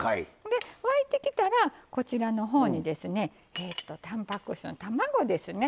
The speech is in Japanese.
沸いてきたら、こちらのほうにたんぱく質の卵ですね。